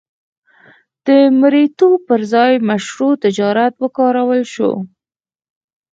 د مریتوب پر ځای مشروع تجارت وکارول شو.